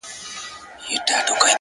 • دپښتون په تور وهلی هر دوران دی,